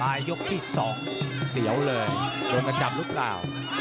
ลายกที่สองเสียวเลยต้องกระจำหรือเปล่า